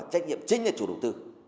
trách nhiệm chính là chủ đầu tư